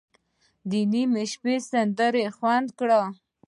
د نیمې شپې سندرې خوند کړي.